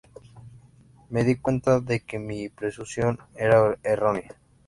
me di cuenta de que mi presunción era errónea